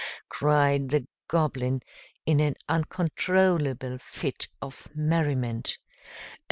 cried the Goblin, in an uncontrollable fit of merriment.